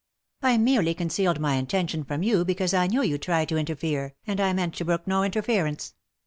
" I merely concealed my intention from you because I knew you'd try to interfere, and I meant to brook no interference."